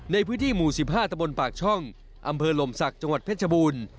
ในพื้นที่หมู่๑๕ตะบนปากช่องอำเภอลมศักดิ์จังหวัดเพชรบูรณ์